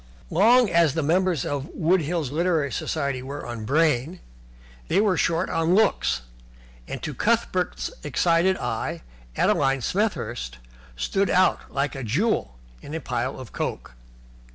Long as the members of Wood Hills Literary Society were on brain, they were short on looks, and, to Cuthbert's excited eye, Adeline Smethurst stood out like a jewel in a pile of coke.